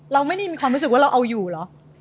เราไม่ได้มีความรู้สึกว่าเราเอาอยู่เหรอ